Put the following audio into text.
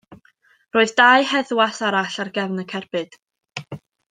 Roedd dau heddwas arall ar gefn y cerbyd.